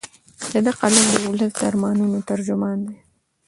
د ده قلم د ولس د ارمانونو ترجمان دی.